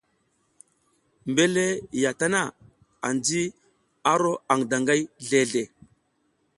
Mbela ya tana, anji a ro aƞ daƞgay zleʼzle.